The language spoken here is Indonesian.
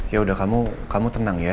yaudah kamu tenang ya